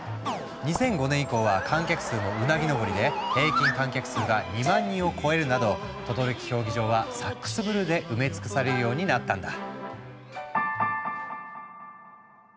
２００５年以降は観客数もうなぎ上りで平均観客数が２万人を超えるなど等々力競技場はサックスブルーで埋め尽くされるようになったんだ。